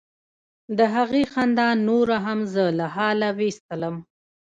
د هغې خندا نوره هم زه له حاله ویستلم.